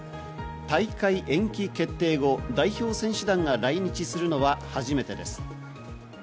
大会延期決定後、代表選手団が来日するのは初めてです。